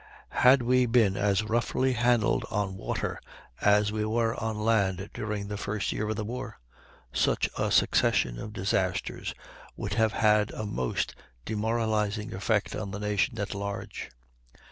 Had we been as roughly handled on water as we were on land during the first year of the war, such a succession of disasters would have had a most demoralizing effect on the nation at large.